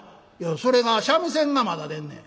「それが三味線がまだでんねん」。